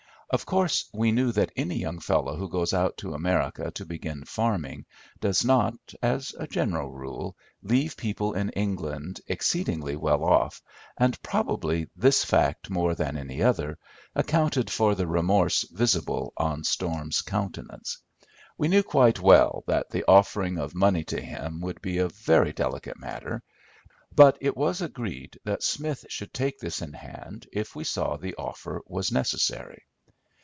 Of course we knew that any young fellow who goes out to America to begin farming, does not, as a general rule, leave people in England exceedingly well off, and probably this fact, more than any other, accounted for the remorse visible on Storm's countenance. We knew quite well that the offering of money to him would be a very delicate matter, but it was agreed that Smith should take this in hand if we saw the offer was necessary.